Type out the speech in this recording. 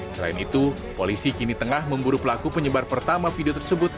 selain itu polisi kini tengah memburu pelaku penyebar pertama video tersebut